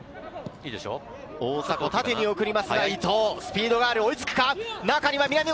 大迫、縦に送りますが、伊東、スピードがある追いつくか？